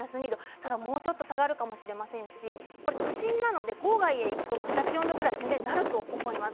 ただ、もうちょっと下がるかもしれませんし都心なので郊外に行くとマイナス４度くらいになると思います。